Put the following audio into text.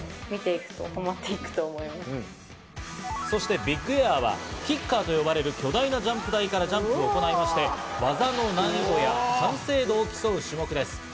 そしてビッグエアはキッカーと呼ばれる巨大なジャンプ台からジャンプを行いまして、技の難易度や完成度を競う種目です。